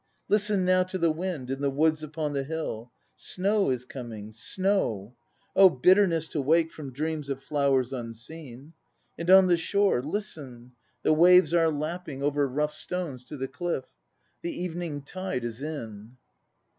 Listen now to the wind In the woods upon the hill: Snow is coming, snow! Oh bitterness to wake From dreams of flowers unseen! And on the shore, Listen, the waves are lapping KAGEKIYO 95 Over rough stones to the cliff. The evening tide is in.